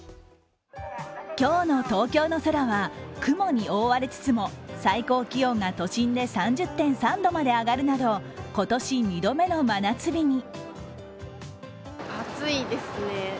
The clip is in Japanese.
今日の東京の空は雲に覆われつつも最高気温が都心で３０．３度まで上がるなど今年２度目の真夏日に。